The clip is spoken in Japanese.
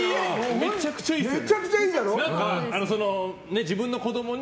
めちゃくちゃいいのに。